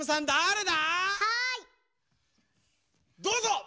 どうぞ！